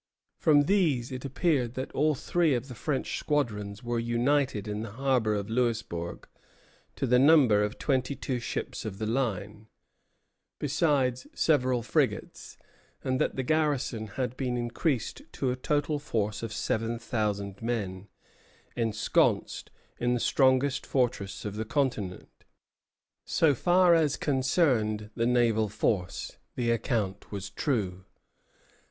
From these it appeared that all three of the French squadrons were united in the harbor of Louisbourg, to the number of twenty two ships of the line, besides several frigates, and that the garrison had been increased to a total force of seven thousand men, ensconced in the strongest fortress of the continent. So far as concerned the naval force, the account was true.